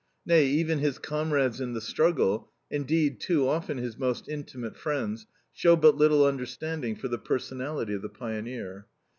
Nay, even his comrades in the struggle indeed, too often his most intimate friends show but little understanding for the personality of the pioneer.